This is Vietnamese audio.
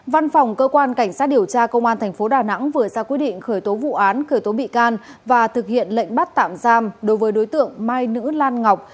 văn phòng cơ quan cảnh sát điều tra công an tp đà nẵng vừa ra quyết định khởi tố vụ án khởi tố bị can và thực hiện lệnh bắt tạm giam đối với đối tượng mai nữ lan ngọc